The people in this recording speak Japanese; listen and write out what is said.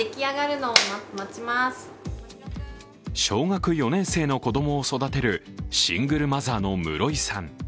小学４年生の子供を育てるシングルマザーの室井さん。